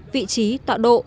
vị trí tọa độ